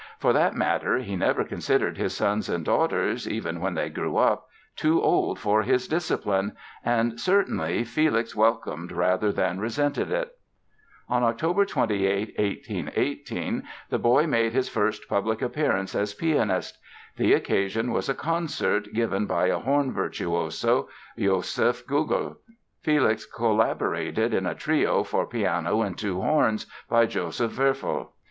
For that matter he never considered his sons and daughters—even when they grew up—too old for his discipline; and, certainly, Felix welcomed rather than resented it. On Oct. 28, 1818, the boy made his first public appearance as pianist. The occasion was a concert given by a horn virtuoso, Joseph Gugel. Felix collaborated in a trio for piano and two horns, by Joseph Wölfl.